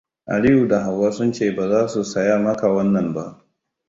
Aliyu da Hauwa sun ce baza su saya maka wannan ba.